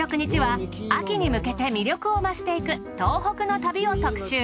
秋に向けて魅力を増していく東北の旅を特集。